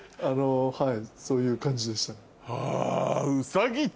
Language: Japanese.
はいそういう感じでしたね。